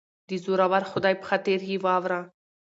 دزورور خدای په خاطر یه واوره